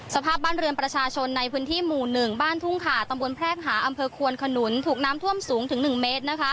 สภาพบ้านเรือนประชาชนในพื้นที่หมู่๑บ้านทุ่งขาตำบลแพรกหาอำเภอควนขนุนถูกน้ำท่วมสูงถึง๑เมตร